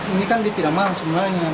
ini kan dia tidak mau semuanya